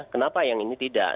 kenapa yang ini tidak